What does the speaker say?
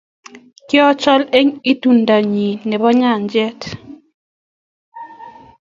Kiachol eng itondanyi nebo nyachet